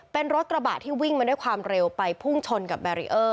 เป็นรถกระบะที่วิ่งมาด้วยความเร็วไปพุ่งชนกับแบรีเออร์